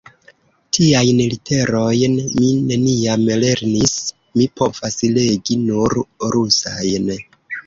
Tiajn literojn mi neniam lernis; mi povas legi nur rusajn.